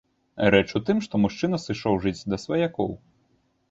Рэч у тым, што мужчына сышоў жыць да сваякоў.